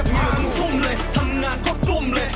มีเวลาเพิ่งทุ่มเลยทำงานก็ตุ้มเลย